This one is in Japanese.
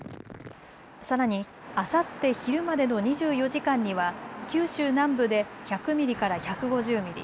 さらにあさって昼までの２４時間には九州南部で１００ミリから１５０ミリ。